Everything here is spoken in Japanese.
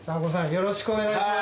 よろしくお願いします。